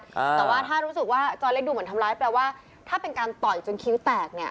แต่ว่าถ้ารู้สึกว่าจอเล็กดูเหมือนทำร้ายแปลว่าถ้าเป็นการต่อยจนคิ้วแตกเนี่ย